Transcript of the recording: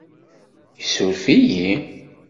Isuref-iyi?